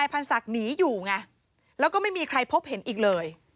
พันศักดิ์หนีอยู่ไงแล้วก็ไม่มีใครพบเห็นอีกเลย